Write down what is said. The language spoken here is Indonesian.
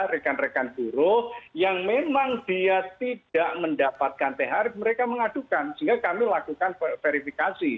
rekan rekan buruh yang memang dia tidak mendapatkan thr mereka mengadukan sehingga kami lakukan verifikasi